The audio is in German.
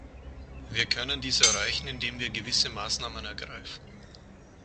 Wir können dies erreichen, indem wir gewisse Maßnahmen ergreifen.